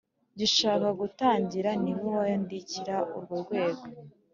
Gishaka gutangira ni we wandikira urwo rwego